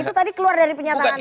itu tadi keluar dari pernyataannya